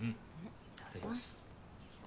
いただきます。